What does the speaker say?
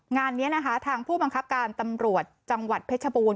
งานนี้นะคะทางผู้บังคับการตำรวจจังหวัดเพชรบูรณ